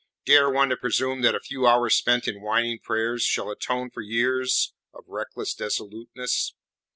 Dare one to presume that a few hours spent in whining prayers shall atone for years of reckless dissoluteness?